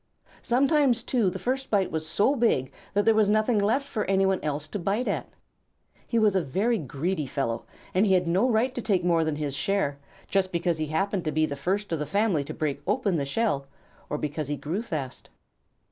Sometimes, too, the first bite was so big that there was nothing left for anyone else to bite at. He was a very greedy fellow, and he had no right to take more than his share, just because he happened to be the first of the family to break open the shell, or because he grew fast.